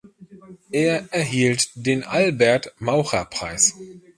Er erhielt den Albert Maucher Preis.